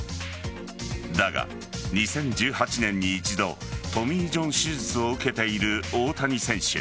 だが、２０１８年に一度トミー・ジョン手術を受けている大谷選手。